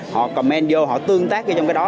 họ comment vô họ tương tác trong cái đó